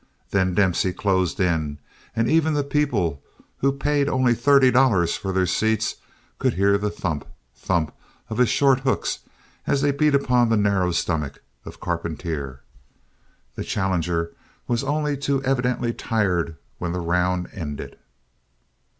Then Dempsey closed in and even the people who paid only thirty dollars for their seats could hear the thump, thump of his short hooks as they beat upon the narrow stomach of Carpentier. The challenger was only too evidently tired when the round ended.